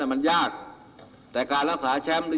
นายยกรัฐมนตรีพบกับทัพนักกีฬาที่กลับมาจากโอลิมปิก๒๐๑๖